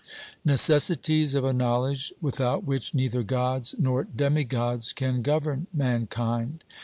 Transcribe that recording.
Necessities of a knowledge without which neither gods, nor demigods, can govern mankind.